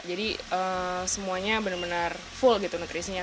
jadi semuanya benar benar full gitu nutrisinya